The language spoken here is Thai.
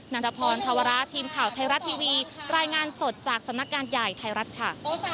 ันทพรธวระทีมข่าวไทยรัฐทีวีรายงานสดจากสำนักงานใหญ่ไทยรัฐค่ะ